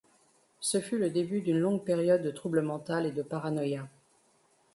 Ce fut le début d'une longue période de trouble mental et de paranoïa.